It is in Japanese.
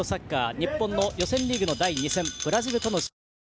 日本の予選リーグの第２戦ブラジルとの試合。